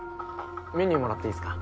メニューもらっていいですか？